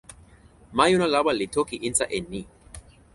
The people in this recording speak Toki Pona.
majuna lawa li toki insa e ni: